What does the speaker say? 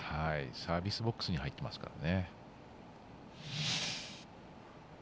サービスボックスに入っていますからね。